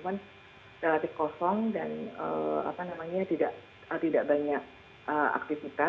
cuman relatif kosong dan tidak banyak aktivitas